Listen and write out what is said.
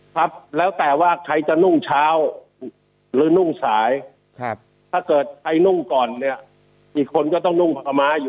ครับแล้วแต่ว่าใครจะนุ่งเช้าหรือนุ่งสาย